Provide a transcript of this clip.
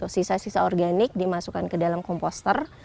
sisa sisa organik dimasukkan ke dalam komposter